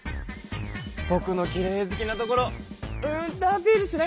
ぼくのきれい好きなところうんとアピールしなきゃ！